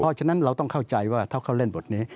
เพราะฉะนั้นเราต้องเข้าใจว่าถ้าเขาเล่นบทนี้